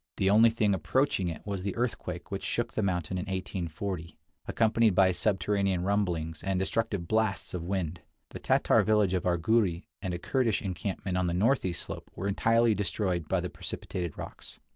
The only thing approaching it was the earthquake which shook the mountain in 1840, accompanied by subterranean rumblings, II 43 and destructive blasts of wind. The Tatar village of Arghuri and a Kurdish encampment on the northeast slope were entirely destroyed by the precipitated rocks.